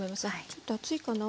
ちょっと熱いかな。